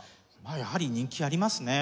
やはり人気ありますね。